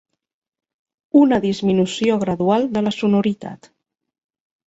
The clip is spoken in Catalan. Una disminució gradual de la sonoritat.